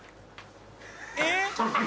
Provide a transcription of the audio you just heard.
えっ？